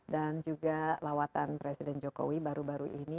dan juga lawatan presiden jokowi baru baru ini